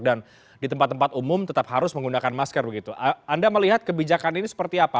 dan di tempat tempat umum tetap harus menggunakan masker begitu anda melihat kebijakan ini seperti apa